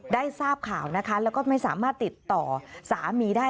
ได้ทราบข่าวนะคะแล้วก็ไม่สามารถติดต่อสามีได้